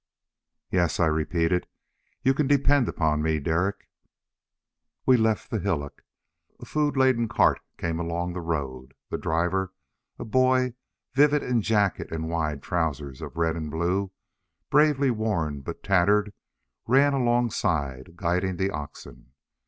"Yes," I repeated. "You can depend upon me, Derek." We left the hillock. A food laden cart came along the road. The driver, a boy vivid in jacket and wide trousers of red and blue, bravely worn but tattered, ran alongside guiding the oxen.